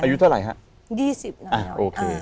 อายุเท่าไหร่ฮะ